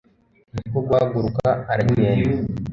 ni ko guhaguruka aragenda